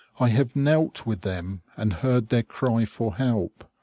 I have knelt with them and heard their cry for help.